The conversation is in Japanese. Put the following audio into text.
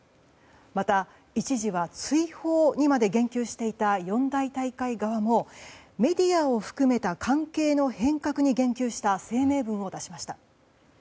また、一時は追放にまで言及していた四大大会側もメディアを含めた関係の変革に言及した声明文を出しました。